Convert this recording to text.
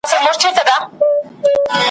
ده په ژوند داسي دانه نه وه لیدلې ,